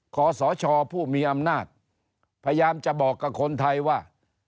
ขอสชผู้มีอำนาจพยายามจะบอกกับคนไทยว่า